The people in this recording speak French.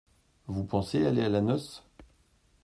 Vous pensez aller à la noce ?